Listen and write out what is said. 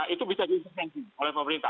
nah itu bisa diinfeksi oleh pemerintah